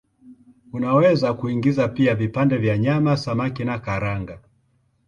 Unaweza kuingiza pia vipande vya nyama, samaki na karanga.